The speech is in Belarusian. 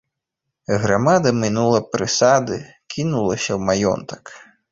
Грамада мінула прысады, кінулася ў маёнтак.